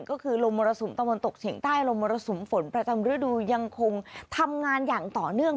ก็คือลมมรสุมตะวันตกเฉียงใต้ลมมรสุมฝนประจำฤดูยังคงทำงานอย่างต่อเนื่อง